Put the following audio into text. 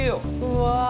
うわ。